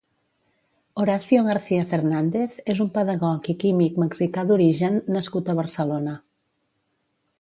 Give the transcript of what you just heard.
Horacio García Fernández és un pedagog i químic mexicà d'origen nascut a Barcelona.